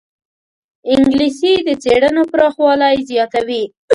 انګلیسي د څېړنو پراخوالی زیاتوي